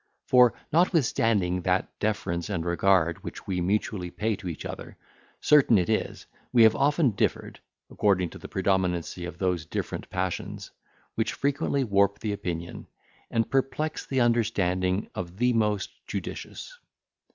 For, notwithstanding that deference and regard which we mutually pay to each other, certain it is, we have often differed, according to the predominancy of those different passions, which frequently warp the opinion, and perplex the understanding of the most judicious.